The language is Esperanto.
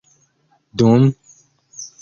dum